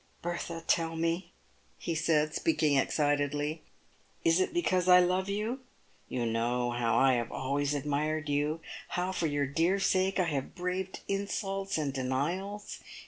" Bertha, tell me !" he said, speaking excitedly, " is it because I love you ? You know how I have always admired you — how for your dear sake I have braved insults and denials.